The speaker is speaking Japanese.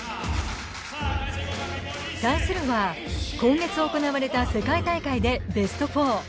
対するは、今月行われた世界大会でベスト４。